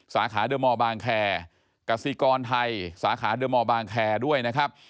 สาขาเดอร์มอร์บางแคร์กสิกรไทยสาขาเดอร์มอร์บางแคร์ด้วยนะครับ